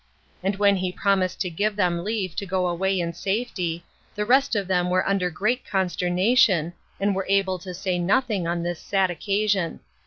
And when he promised to give them leave to go away in safety, the rest of them were under great consternation, and were able to say nothing on this sad occasion.